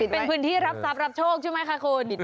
เป็นพื้นที่รับทรัพย์รับโชคใช่ไหมคะคุณ